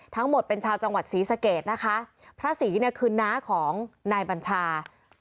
ทั้งหมดเป็นชาวจังหวัดศรีสะเกดนะคะพระศรีเนี่ยคือน้าของนายบัญชา